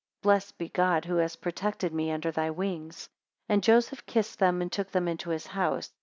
Blessed be God, who hast protected me under thy wings. 13 And Joseph kissed them, and took them into his house.